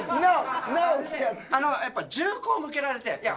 あのやっぱ銃口向けられていや